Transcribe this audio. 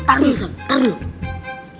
taruh sob taruh